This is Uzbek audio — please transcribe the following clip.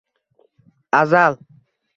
Azal